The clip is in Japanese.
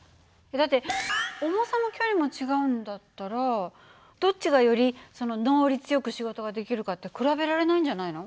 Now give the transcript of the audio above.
だって重さも距離も違うんだったらどっちがより能率よく仕事ができるかって比べられないんじゃないの？